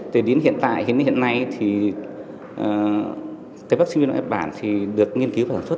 thế đến hiện tại đến hiện nay thì cái vaccine viêm não nhật bản thì được nghiên cứu và sản xuất